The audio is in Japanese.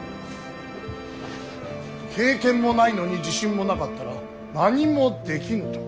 経験もないのに自信もなかったら何もできぬと。